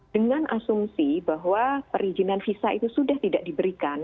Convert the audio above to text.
dengan asumsi bahwa perizinan visa itu sudah tidak diberikan